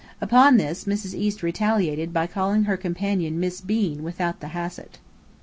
Upon this, Mrs. East retaliated by calling her companion Miss Bean without the Hassett.